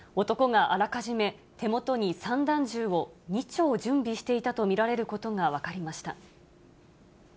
男があらかじめ手元に散弾銃を２丁準備していたと見られることが分かりました。